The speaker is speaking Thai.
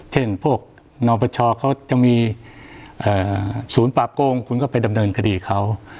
เช่นพวกนปชเขาจะมีศูนย์ปราบโกงคุณก็ไปดำเนินคดีเขา